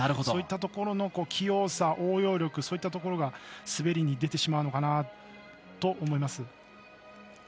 そういったところの器用さ応用力、そういったところが滑りに出てしまうのかなと思います。